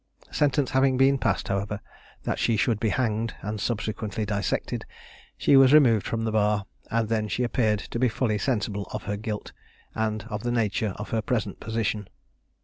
Sentence having been passed, however, that she should be hanged and subsequently dissected, she was removed from the bar, and then she appeared to be fully sensible of her guilt, and of the nature of her present position.